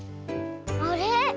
あれ？